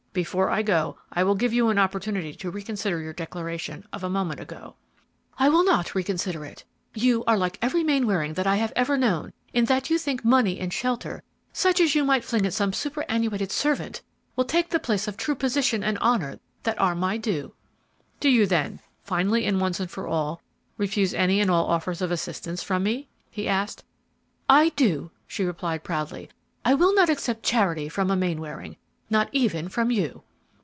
Before I go, I will give you an opportunity to reconsider your declaration of a moment ago." "I will not reconsider it. You are like every Mainwaring that I have ever known, in that you think money and shelter, such as you might fling at some superannuated servant, will take the place of the true position and honor that are my due." "Do you then, finally and once for all, refuse any and all offers of assistance from me?" he asked. "I do," she replied, proudly; "I will not accept charity from a Mainwaring, not even from you!"